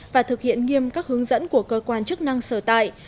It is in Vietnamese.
và thực hiện nghiêm các hướng dẫn của cơ quan chức năng sở tại